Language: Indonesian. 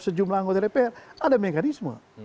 sejumlah anggota dpr ada mekanisme